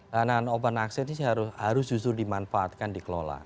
lahan lahan open access ini harus justru dimanfaatkan dikelola